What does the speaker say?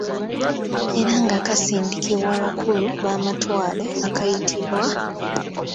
Era nga kaasindikibwa abakulu b’Amatwale akayitibwa,